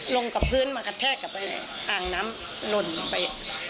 ลงกับพื้นมากระแทกกับอ่างน้ำหล่นลงไป